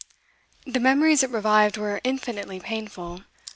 The memories it revived were infinitely painful.